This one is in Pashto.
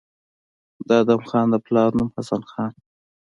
د ادم خان د پلار نوم حسن خان